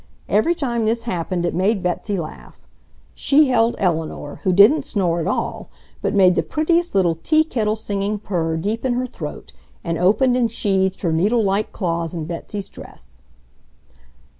Every time this happened it made Betsy laugh. She held Eleanor, who didn't snore at all, but made the prettiest little tea kettle singing purr deep in her throat, and opened and sheathed her needle like claws in Betsy's dress.